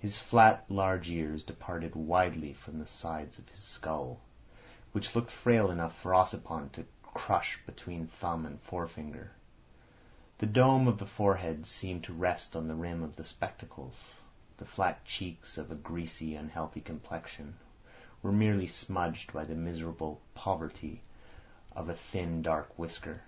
His flat, large ears departed widely from the sides of his skull, which looked frail enough for Ossipon to crush between thumb and forefinger; the dome of the forehead seemed to rest on the rim of the spectacles; the flat cheeks, of a greasy, unhealthy complexion, were merely smudged by the miserable poverty of a thin dark whisker.